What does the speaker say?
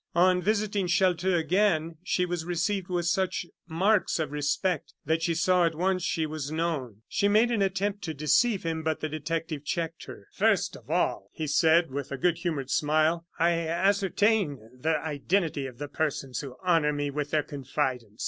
On visiting Chelteux again, she was received with such marks of respect that she saw at once she was known. She made an attempt to deceive him, but the detective checked her. "First of all," he said, with a good humored smile, "I ascertain the identity of the persons who honor me with their confidence.